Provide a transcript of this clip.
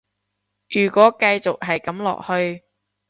如果繼續係噉落去